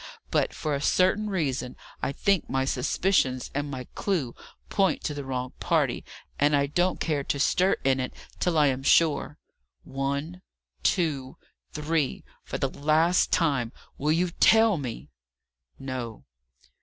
But, for a certain reason, I think my suspicions and my clue point to the wrong party; and I don't care to stir in it till I am sure. One two three! for the last time. Will you tell me?" "No."